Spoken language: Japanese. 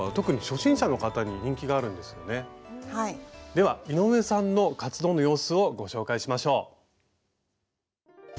では井上さんの活動の様子をご紹介しましょう。